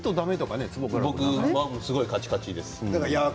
僕はすごくカチカチです。